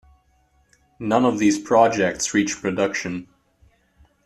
None of these projects reached production.